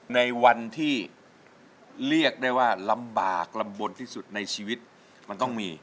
ในวันที่เรียกได้ว่าลำบากลำบลที่สุดในชีวิตมันต้องมี